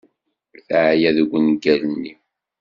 Teɛya deg ungal-nni.